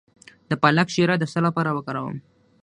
د پالک شیره د څه لپاره وکاروم؟